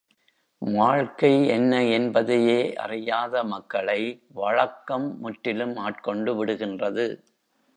வாழ்க்கை என்ன என்பதையே அறியாத மக்களை வழக்கம் முற்றிலும் ஆட்கொண்டு விடுகின்றது.